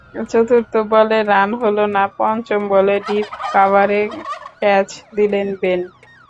চতুর্থ বলে রান হলো না, পঞ্চম বলে ডিপ কাভারে ক্যাচ দিলেন বেন।